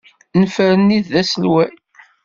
Nefren-it d aselway.